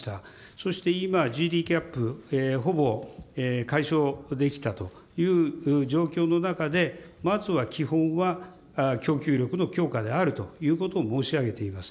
そして今、ＧＤＰギャップ、ほぼ解消できたという状況の中で、まずは基本は、供給力の強化であるということを申し上げています。